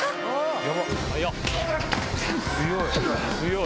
強い！